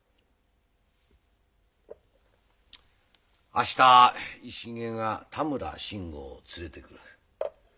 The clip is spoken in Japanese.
明日石毛が多村慎吾を連れてくる。